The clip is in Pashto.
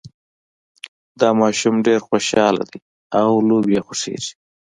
دا ماشوم ډېر خوشحاله ده او لوبې یې خوښیږي